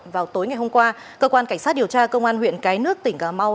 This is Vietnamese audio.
vào tối ngày hôm qua cơ quan cảnh sát điều tra công an huyện cái nước tỉnh cà mau